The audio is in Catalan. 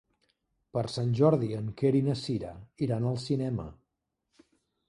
Per Sant Jordi en Quer i na Cira iran al cinema.